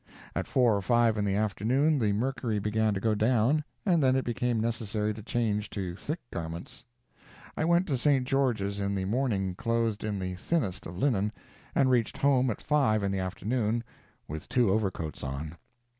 At four or five in the afternoon the mercury began to go down, and then it became necessary to change to thick garments. I went to St. George's in the morning clothed in the thinnest of linen, and reached home at five in the afternoon with two overcoats on.